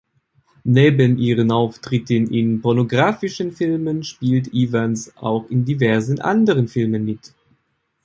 Neben ihren Auftritten in pornografischen Filmen spielte Evans auch in diversen anderen Filmen mit.